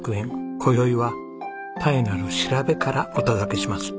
今宵は妙なる調べからお届けします。